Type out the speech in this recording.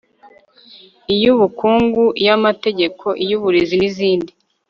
iy'ubukungu, iy'amategeko, iy'uburezi n'izindi